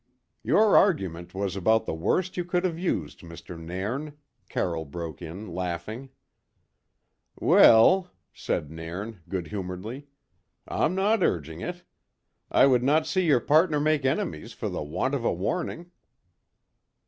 "Your argument was about the worst you could have used, Mr. Nairn," Carroll broke in, laughing. "Weel," said Nairn, good humouredly, "I'm no urging it. I would not see your partner make enemies for the want of a warning."